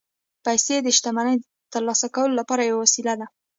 پیسې د شتمنۍ ترلاسه کولو لپاره یوه وسیله ده